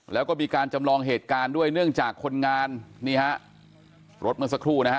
แล้วก็มีการจำลองเหตุการณ์ด้วยเนื่องจากคนงานนี่ฮะรถเมื่อสักครู่นะฮะ